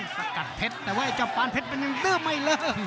สกัดเพชรแต่ไว้เจาะปาลเพชรกัดเป็นเนื้อไหมเหลอะ